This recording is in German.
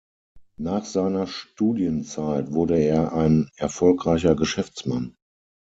Nach seiner Studienzeit wurde er ein erfolgreicher Geschäftsmann.